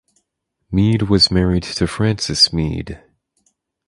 Meade was married to Frances Meade.